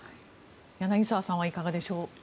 柳澤さんはいかがでしょう。